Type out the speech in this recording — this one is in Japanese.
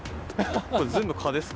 これ全部、蚊ですか？